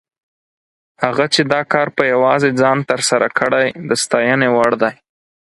هغه چې دا کار په یوازې ځان تر سره کړی، د ستاینې وړ دی.